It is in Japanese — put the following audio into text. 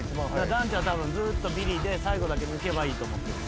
ダンテはずっとビリで最後だけ抜けばいいと思ってる。